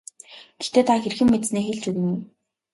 Гэхдээ та хэрхэн мэдсэнээ хэлж өгнө үү.